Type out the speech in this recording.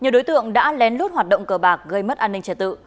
một mươi đối tượng đã lén lút hoạt động cờ bạc gây mất an ninh trẻ tự